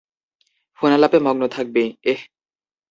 ফোনালাপে মগ্ন থাকবে, এহ?